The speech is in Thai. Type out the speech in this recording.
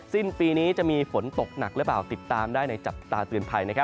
สิ้นปีนี้จะมีฝนตกหนักหรือเปล่าติดตามได้ในจับตาเตือนภัย